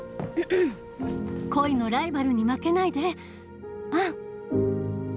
恋のライバルに負けないでアン！